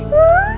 kasih ke kakak